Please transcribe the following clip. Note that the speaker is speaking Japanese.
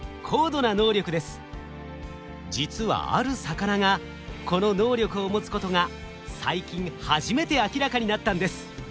実はある魚がこの能力を持つことが最近初めて明らかになったんです。